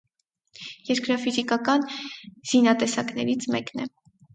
Երկրաֆիզիկական զինատեսակներից մեկն է։